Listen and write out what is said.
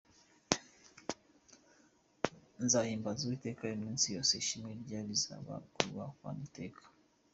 Nzahimbaza Uwiteka iminsi yose, Ishimwe rye rizaba mu kanwa kanjye iteka.